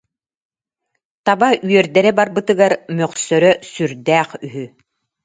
Таба үөрдэрэ барбытыгар мөхсөрө сүрдээх үһү